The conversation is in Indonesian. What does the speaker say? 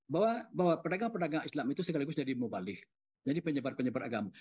bahwa pedagang pedagang islam itu sekaligus jadi mubalik jadi penyebar penyebar agama